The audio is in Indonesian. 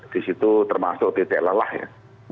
di situ termasuk titik lelah ya